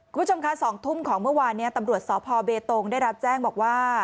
คุณผู้ชมค่ะ๒ทุ่มของเมื่อวานนี้ตำรวจสพเบตงได้รับแจ้งบอกว่า